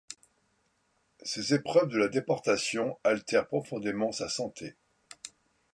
Ces épreuves de la déportation altèrent profondément sa santé.